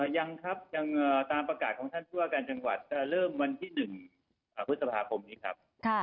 ยังครับยังตามประกาศของท่านผู้ว่าการจังหวัดจะเริ่มวันที่๑พฤษภาคมนี้ครับ